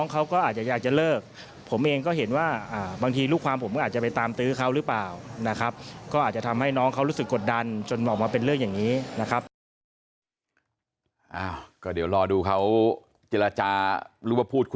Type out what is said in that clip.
การหาทางออกที่ทุกฝ่ายจะแฮปปี้กันได้น่าจะเป็นทางออกที่ดีที่สุด